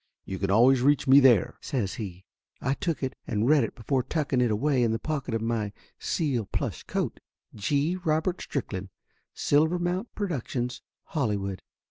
"You can always reach me there," says he. I took it and read it before tucking it away in the pocket of my seal plush coat: "G. Robert Strickland, Silvermount Productions, Hollywood."